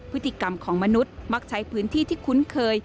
พฤติกรรมของมนุษย์มักใช้พื้นที่ที่คุ้นเคย